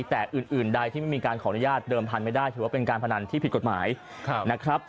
แต่อื่นใดที่ไม่มีการขออนุญาตเดิมพันธุ์ไม่ได้ถือว่าเป็นการพนันที่ผิดกฎหมายนะครับ